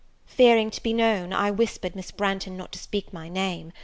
Fearing to be know, I whispered Miss Branghton not to speak my name.